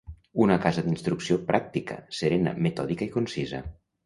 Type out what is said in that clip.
Una casa d'instrucció pràctica, serena, metòdica i concisa